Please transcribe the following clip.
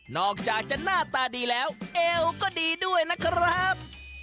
อกจากจะหน้าตาดีแล้วเอวก็ดีด้วยนะครับ